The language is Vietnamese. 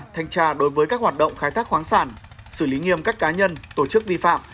thanh tra đối với các hoạt động khai thác khoáng sản xử lý nghiêm các cá nhân tổ chức vi phạm